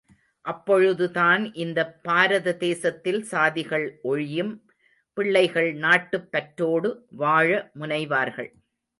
அப்பொழுதுதான் இந்த பாரத தேசத்தில் சாதிகள் ஒழியும் பிள்ளைகள் நாட்டுப் பற்றோடு வாழ முனைவார்கள்.